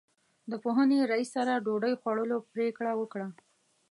د پوهنې رئیس سره ډوډۍ خوړلو پرېکړه وکړه.